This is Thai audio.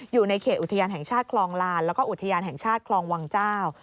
อยู่ในเขตอุทยานแห่งชาติคลองลานแล้วก็อุทยานแห่งชาติคลองวังเจ้า